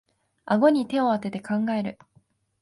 あごに手をあてて考える